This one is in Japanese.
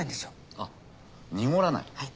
あ濁らない。